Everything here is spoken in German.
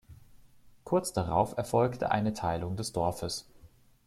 Kurz darauf erfolgte eine Teilung des Dorfes.